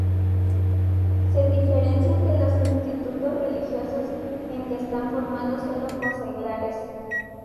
Se diferencian de los institutos religiosos en que están formados solo por seglares.